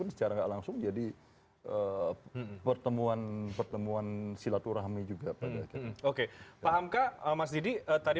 secara langsung jadi pertemuan pertemuan silaturahmi juga oke pahamkah emas jadi tadi